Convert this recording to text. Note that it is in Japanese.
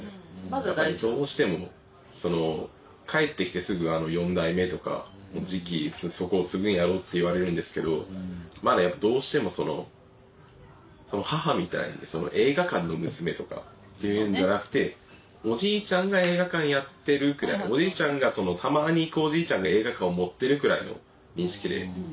やっぱりどうしても帰って来てすぐ４代目とかじきそこを継ぐんやろって言われるんですけどまだどうしても母みたいに映画館の娘とかっていうんじゃなくておじいちゃんが映画館やってるくらいたまに行くおじいちゃんが映画館を持ってるくらいの認識で。